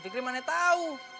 prikri mana tau